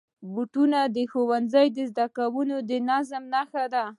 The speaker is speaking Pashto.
بوټونه د ښوونځي زدهکوونکو د نظم نښه ده.